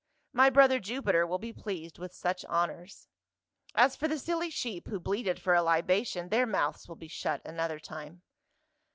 My brother, Jupiter, will be pleased with such honors. As for the silly sheep who bleated for a libation, their mouths will be shut another time.